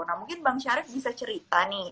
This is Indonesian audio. nah mungkin bang syarif bisa cerita nih